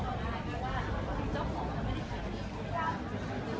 ใครจะบอกให้ว่าคุณเจ้าของก็ไม่ได้ขายรับสิทธิ์